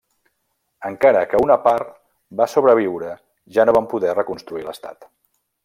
Encara que una part va sobreviure ja no van poder reconstruir l'estat.